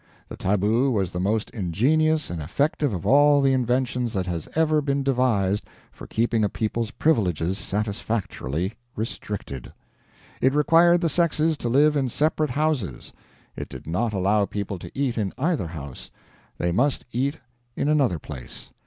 The tabu was the most ingenious and effective of all the inventions that has ever been devised for keeping a people's privileges satisfactorily restricted. It required the sexes to live in separate houses. It did not allow people to eat in either house; they must eat in another place.